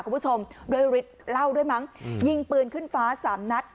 คุณผู้ชมเราริดเล่าด้วยมั้งยิงปืนขึ้นฟ้า๓นัท